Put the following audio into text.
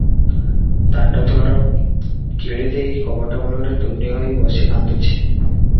ଦାଣ୍ଡଦୁଆର କିଳି ଦେଇ କବାଟମୂଳରେ ତୁନି ହୋଇ ବସି କାନ୍ଦୁଛି ।